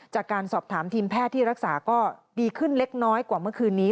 จากการสอบถามทีมแพทย์ที่รักษาก็ดีขึ้นเล็กน้อยกว่าเมื่อคืนนี้